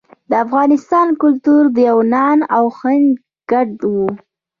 د افغانستان کلتور د یونان او هند ګډ و